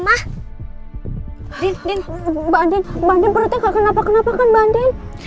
mbak andin perutnya tidak kenapa kenapa kan mbak andin